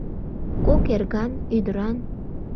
Кок эрган, ӱдыран